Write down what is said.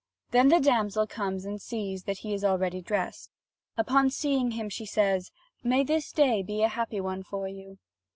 Then the damsel comes and sees that he is already dressed. Upon seeing him, she says: "May this day be a happy one for you."